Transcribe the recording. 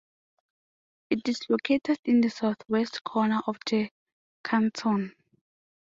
It is located in the southwest corner of the Canton.